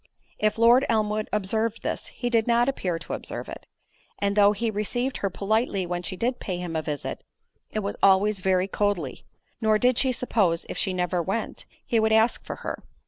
If Lord Elmwood observed this, he did not appear to observe it; and though he received her politely when she did pay him a visit, it was always very coldly; nor did she suppose if she never went, he would ever ask for her.